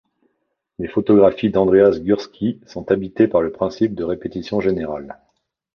Les photographies d'Andreas Gursky sont habitées par le principe de répétition générale.